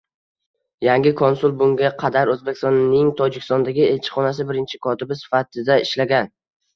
Yangi konsul bunga qadar O‘zbekistonning Tojikistondagi elchixonasi birinchi kotibi sifatida ishlagan